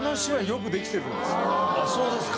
そうですか。